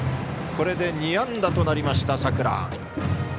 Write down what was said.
これで２安打となりました、佐倉。